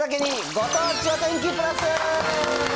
ご当地お天気プラス。